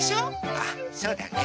あそうだね。